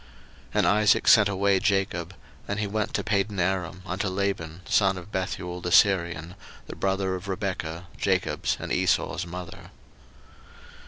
01:028:005 And Isaac sent away Jacob: and he went to Padanaram unto Laban, son of Bethuel the Syrian, the brother of Rebekah, Jacob's and Esau's mother.